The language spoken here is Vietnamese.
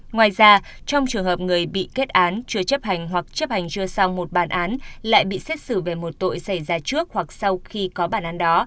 ngoài ra trong trường hợp người bị kết án chưa chấp hành hoặc chấp hành chưa xong một bản án lại bị xét xử về một tội xảy ra trước hoặc sau khi có bản án đó